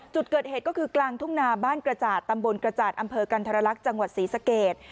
จุดเกิดเหตุก็คือกลางทุ่งนาบ้านกระจาดตำบลกระจาดอำเภอกันทรลักษณ์จังหวัดศรีสเกต